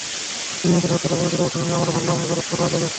তিন মাসের হরতাল-অবরোধের অবসান হলে আমরা ভাবলাম এবার রক্ষা পাওয়া যাবে।